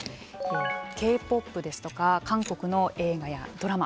Ｋ−ＰＯＰですとか韓国の映画やドラマ